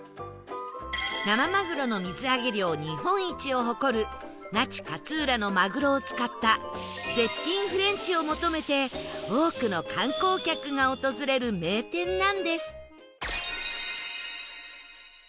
生マグロの水揚げ量日本一を誇る那智勝浦のマグロを使った絶品フレンチを求めて多くの観光客が訪れる名店なんです